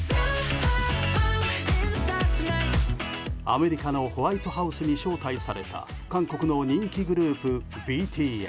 アメリカのホワイトハウスに招待された韓国の人気グループ、ＢＴＳ。